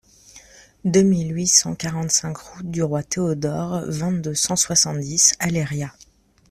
deux mille huit cent quarante-cinq route du Roi Théodore, vingt, deux cent soixante-dix, Aléria